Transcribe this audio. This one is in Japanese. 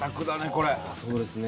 これそうですね・